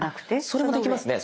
それもできますね。